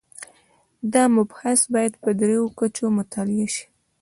دا مبحث باید په درېیو کچو مطالعه شي.